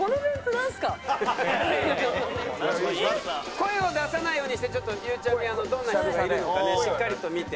声を出さないようにしてちょっとゆうちゃみどんな人がいるのかねしっかりと見て。